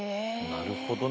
なるほどね。